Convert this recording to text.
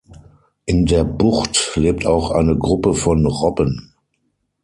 In der Bucht lebt auch eine Gruppe von Robben.